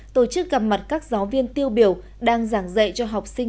tổ chức gặp mặt các giáo viên tiêu biểu đang giảng dạy cho học sinh